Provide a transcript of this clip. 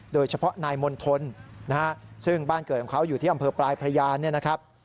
โดยเฉพาะนายมณฑลซึ่งบ้านเกิดของเขาอยู่ที่อำเภอปลายพระยา